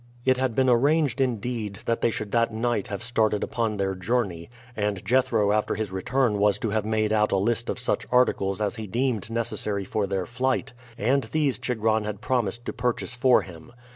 It had been arranged indeed that they should that night have started upon their journey, and Jethro after his return was to have made out a list of such articles as he deemed necessary for their flight, and these Chigron had promised to purchase for him.